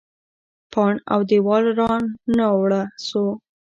پاڼ او دیوال رانړاوه سو.